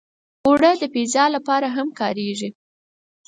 اوړه د پیزا لپاره هم کارېږي